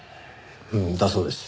うんだそうです。